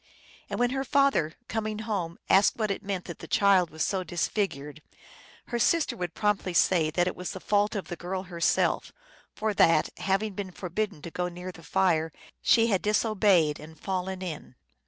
And when her father, coming home, asked what it meant that the child was so disfigured, her sister would promptly say that it was the fault of the girl herself, for that, having been forbidden to go near the fire, she had disobeyed and fallen in.